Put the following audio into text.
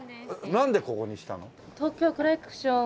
なんでここにしたの？